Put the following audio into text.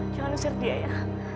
jangan usir dia ya